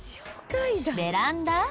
ベランダ？